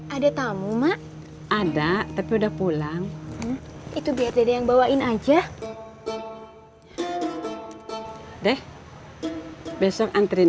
ada tamu mak ada tapi udah pulang itu biar ada yang bawain aja deh besok antri